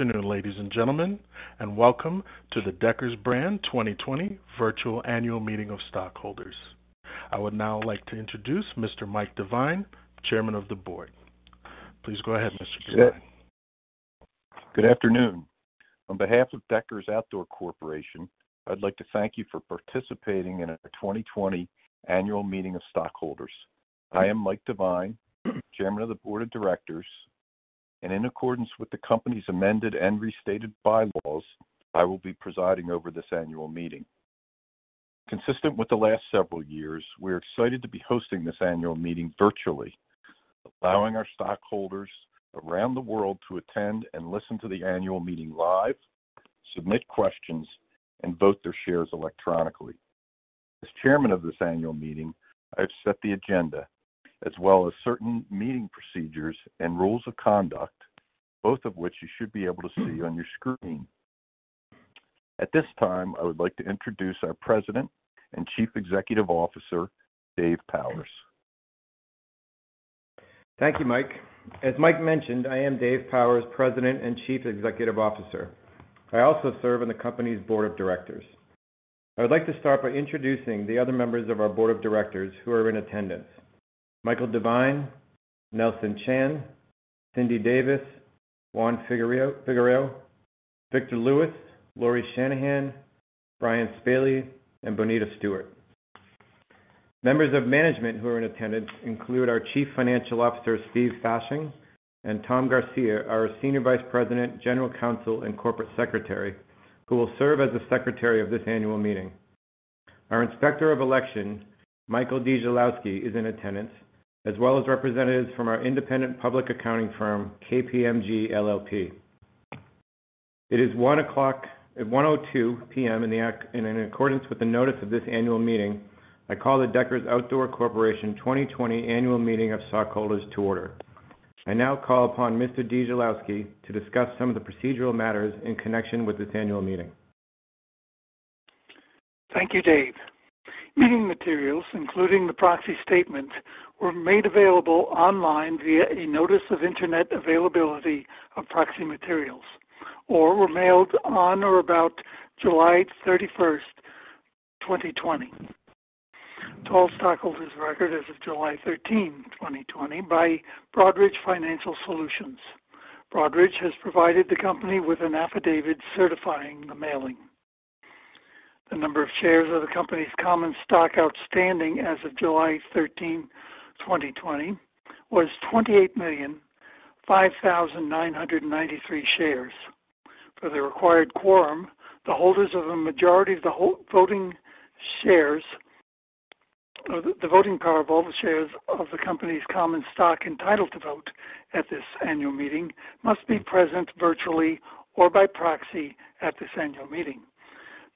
Afternoon, ladies and gentlemen, and welcome to the Deckers Brand 2020 Virtual Annual Meeting of Stockholders. I would now like to introduce Mr. Mike Devine, Chairman of the Board. Please go ahead, Mr. Devine. Good afternoon. On behalf of Deckers Outdoor Corporation, I'd like to thank you for participating in our 2020 Annual Meeting of Stockholders. I am Mike Devine, Chairman of the Board of Directors, and in accordance with the company's amended and restated bylaws, I will be presiding over this annual meeting. Consistent with the last several years, we're excited to be hosting this annual meeting virtually, allowing our stockholders around the world to attend and listen to the annual meeting live, submit questions, and vote their shares electronically. As Chairman of this annual meeting, I've set the agenda, as well as certain meeting procedures and rules of conduct, both of which you should be able to see on your screen. At this time, I would like to introduce our President and Chief Executive Officer, Dave Powers. Thank you, Mike. As Mike mentioned, I am Dave Powers, President and Chief Executive Officer. I also serve on the company's board of directors. I would like to start by introducing the other members of our board of directors who are in attendance, Michael Devine, Nelson Chan, Cindy Davis, Juan Figuereo, Victor Luis, Lauri Shanahan, Brian Spaly, and Bonita Stewart. Members of management who are in attendance include our Chief Financial Officer, Steve Fasching, Tom Garcia, our Senior Vice President, General Counsel, and Corporate Secretary, who will serve as the secretary of this annual meeting. Our Inspector of Election, Michael Dzieciolowski, is in attendance, as well as representatives from our independent public accounting firm, KPMG LLP. It is 1:02 P.M., and in accordance with the notice of this annual meeting, I call the Deckers Outdoor Corporation 2020 Annual Meeting of Stockholders to order. I now call upon Mr. Dzieciolowski to discuss some of the procedural matters in connection with this annual meeting. Thank you, Dave. Meeting materials, including the proxy statement, were made available online via a notice of internet availability of proxy materials or were mailed on or about July 31st, 2020 to all stockholders of record as of July 13, 2020 by Broadridge Financial Solutions. Broadridge has provided the company with an affidavit certifying the mailing. The number of shares of the company's common stock outstanding as of July 13, 2020 was 28,005,993 shares. For the required quorum, the holders of a majority of the voting power of all the shares of the company's common stock entitled to vote at this annual meeting must be present virtually or by proxy at this annual meeting.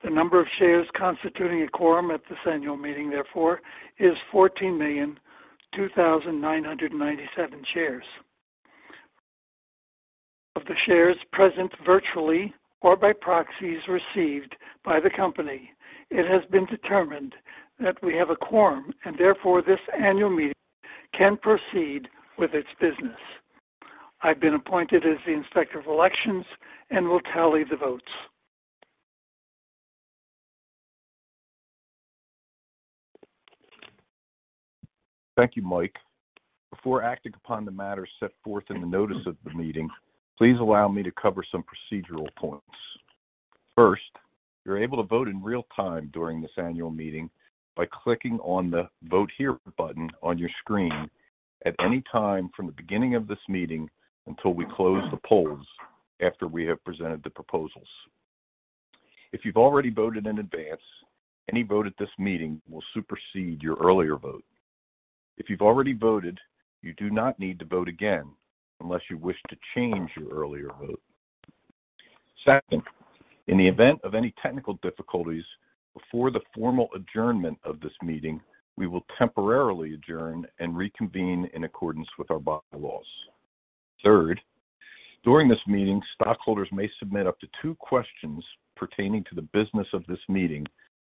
The number of shares constituting a quorum at this annual meeting, therefore, is 14,002,997 shares. Of the shares present virtually or by proxies received by the company, it has been determined that we have a quorum, and therefore this annual meeting can proceed with its business. I've been appointed as the Inspector of Elections and will tally the votes. Thank you, Mike. Before acting upon the matter set forth in the notice of the meeting, please allow me to cover some procedural points. You're able to vote in real time during this annual meeting by clicking on the Vote Here button on your screen at any time from the beginning of this meeting until we close the polls after we have presented the proposals. If you've already voted in advance, any vote at this meeting will supersede your earlier vote. If you've already voted, you do not need to vote again unless you wish to change your earlier vote. In the event of any technical difficulties before the formal adjournment of this meeting, we will temporarily adjourn and reconvene in accordance with our bylaws. Third, during this meeting, stockholders may submit up to two questions pertaining to the business of this meeting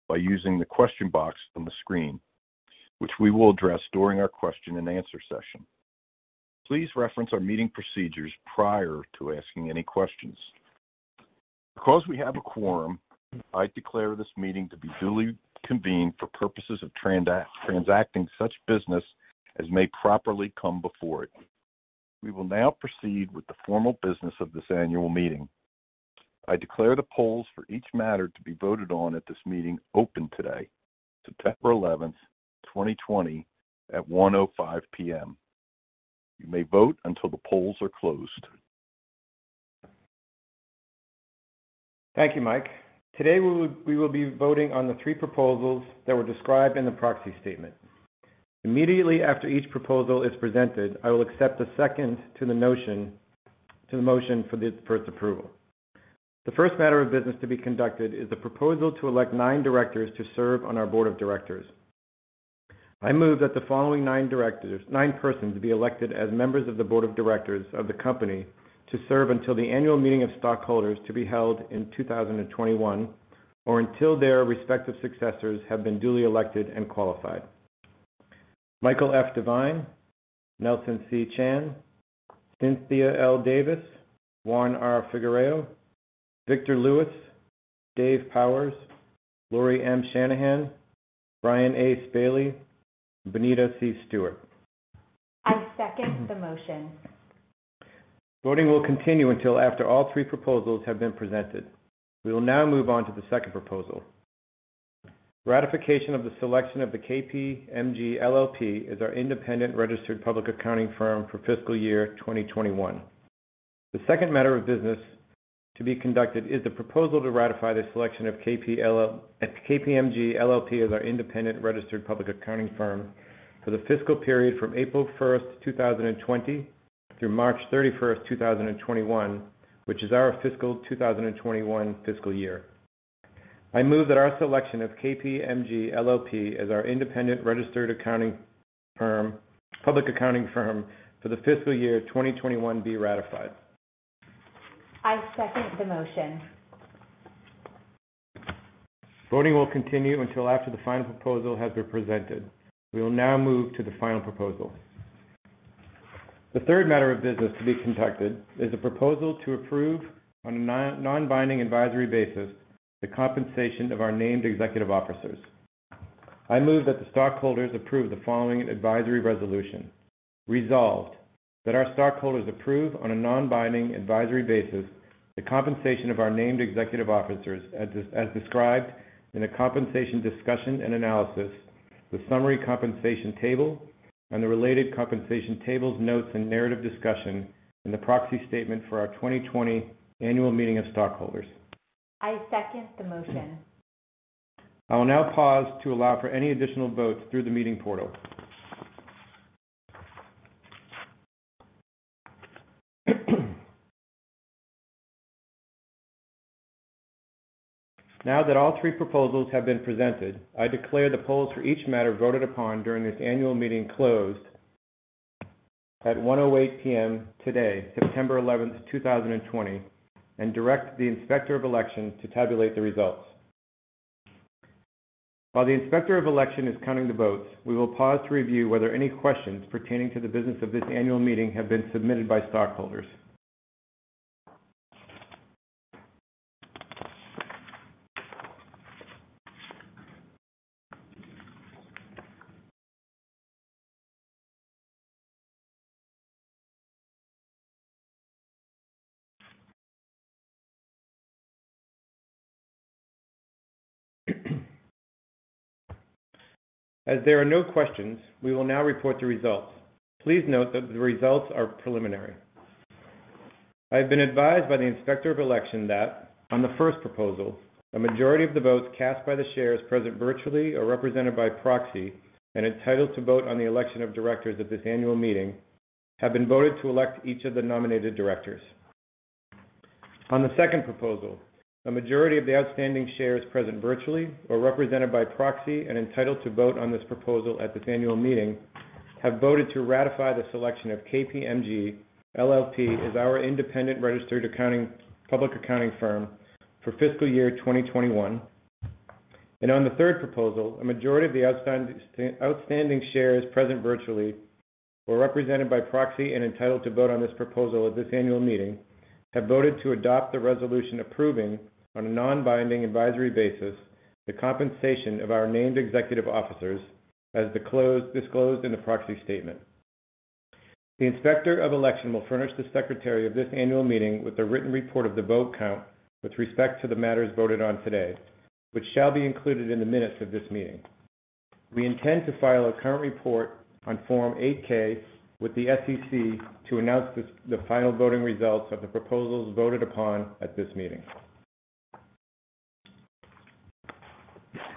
by using the question box on the screen, which we will address during our question and answer session. Please reference our meeting procedures prior to asking any questions. Because we have a quorum, I declare this meeting to be duly convened for purposes of transacting such business as may properly come before it. We will now proceed with the formal business of this annual meeting. I declare the polls for each matter to be voted on at this meeting open today, September 11th, 2020, at 1:05 PM. You may vote until the polls are closed. Thank you, Mike. Today we will be voting on the three proposals that were described in the proxy statement. Immediately after each proposal is presented, I will accept a second to the motion for its approval. The first matter of business to be conducted is the proposal to elect nine directors to serve on our board of directors. I move that the following nine persons be elected as members of the board of directors of the company to serve until the annual meeting of stockholders to be held in 2021 or until their respective successors have been duly elected and qualified. Michael F. Devine, Nelson C. Chan, Cynthia L. Davis, Juan R. Figuereo, Victor Luis, Dave Powers, Lauri M. Shanahan, Brian A. Spaly, Bonita C. Stewart. I second the motion. Voting will continue until after all three proposals have been presented. We will now move on to the second proposal. Ratification of the selection of KPMG LLP as our independent registered public accounting firm for fiscal year 2021. The second matter of business to be conducted is the proposal to ratify the selection of KPMG LLP as our independent registered public accounting firm for the fiscal period from April 1st, 2020, through March 31st, 2021, which is our fiscal 2021 fiscal year. I move that our selection of KPMG LLP as our independent registered public accounting firm for the fiscal year 2021 be ratified. I second the motion. Voting will continue until after the final proposal has been presented. We will now move to the final proposal. The third matter of business to be conducted is a proposal to approve, on a non-binding advisory basis, the compensation of our named executive officers. I move that the stockholders approve the following advisory resolution. Resolved, that our stockholders approve, on a non-binding advisory basis, the compensation of our named executive officers as described in the compensation discussion and analysis, the summary compensation table, and the related compensation table's notes and narrative discussion in the proxy statement for our 2020 Annual Meeting of Stockholders. I second the motion. I will now pause to allow for any additional votes through the meeting portal. Now that all three proposals have been presented, I declare the polls for each matter voted upon during this annual meeting closed at 1:08 P.M. today, September 11th, 2020, and direct the Inspector of Election to tabulate the results. While the Inspector of Election is counting the votes, we will pause to review whether any questions pertaining to the business of this annual meeting have been submitted by stockholders. As there are no questions, we will now report the results. Please note that the results are preliminary. I have been advised by the Inspector of Election that on the first proposal, a majority of the votes cast by the shares present virtually or represented by proxy and entitled to vote on the election of directors at this annual meeting, have been voted to elect each of the nominated directors. On the second proposal, a majority of the outstanding shares present virtually or represented by proxy and entitled to vote on this proposal at this annual meeting, have voted to ratify the selection of KPMG LLP as our independent registered public accounting firm for fiscal year 2021. On the third proposal, a majority of the outstanding shares present virtually or represented by proxy and entitled to vote on this proposal at this annual meeting, have voted to adopt the resolution approving, on a non-binding advisory basis, the compensation of our named executive officers as disclosed in the proxy statement. The Inspector of Election will furnish the Secretary of this annual meeting with a written report of the vote count with respect to the matters voted on today, which shall be included in the minutes of this meeting. We intend to file a current report on Form 8-K with the SEC to announce the final voting results of the proposals voted upon at this meeting.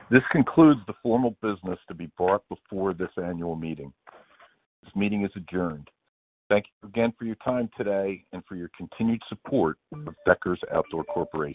This concludes the formal business to be brought before this annual meeting. This meeting is adjourned. Thank you again for your time today and for your continued support of Deckers Outdoor Corporation